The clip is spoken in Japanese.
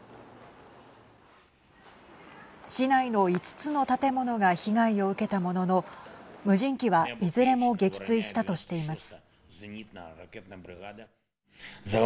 市内の５つの建物が被害を受けたものの無人機は、いずれも撃墜したとしています。